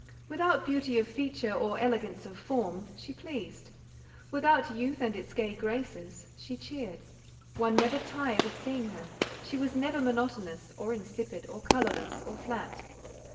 Without beauty of feature or elegance of form, she pleased. Without youth and its gay graces, she cheered. One never tired of seeing her: she was never monotonous, or insipid, or colourless, or flat.